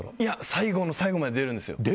最後の最後まで出るんですよ。